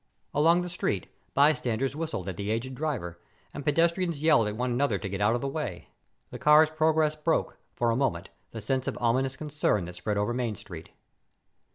Along the street, bystanders whistled at the aged driver, and pedestrians yelled at one another to get out of the way. The car's progress broke, for a moment, the sense of ominous concern that spread over Main Street.